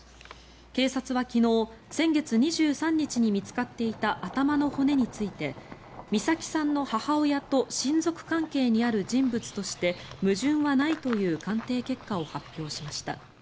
警察は昨日、先月２３日に見つかっていた頭の骨について美咲さんの母親と親族関係にある人物として矛盾はないという鑑定結果を発表しました。